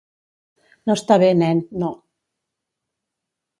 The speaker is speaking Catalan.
No està bé, nen, no.